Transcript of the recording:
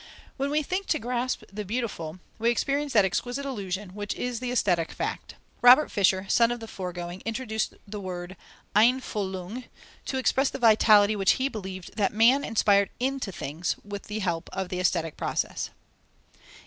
When we think to grasp the beautiful, we experience that exquisite illusion, which is the aesthetic fact. Robert Fischer, son of the foregoing, introduced the word Einfühlung, to express the vitality which he believed that man inspired into things with the help of the aesthetic process.